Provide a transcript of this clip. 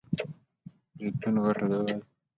زیتون غټه دوا ده .